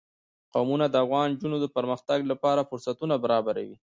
قومونه د افغان نجونو د پرمختګ لپاره فرصتونه برابروي.